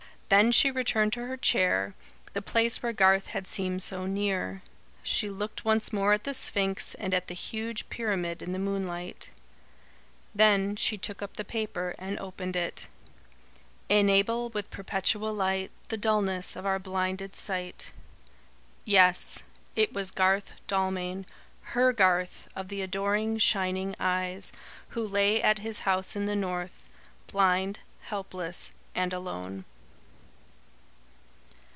Then she returned to her chair, the place where Garth had seemed so near. She looked once more at the Sphinx and at the huge pyramid in the moonlight. Then she took up the paper and opened it. "Enable with perpetual light The dulness of our blinded sight." Yes it was Garth Dalmain HER Garth, of the adoring shining eyes who lay at his house in the North; blind, helpless, and alone.